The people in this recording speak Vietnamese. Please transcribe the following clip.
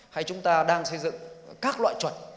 hay chúng ta đang xây dựng các loại chuẩn